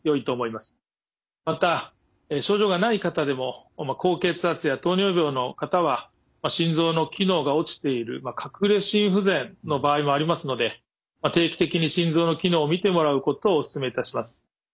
また症状がない方でも高血圧や糖尿病の方は心臓の機能が落ちている隠れ心不全の場合もありますので定期的に心臓の機能を診てもらうことをおすすめいたします。